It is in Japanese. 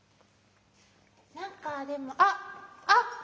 何かでもあっ！